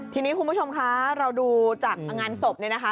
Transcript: ทีนี้คุณผู้ชมคะเราดูจากงานศพเนี่ยนะคะ